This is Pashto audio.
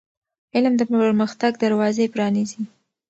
علم د پرمختګ دروازې پرانیزي.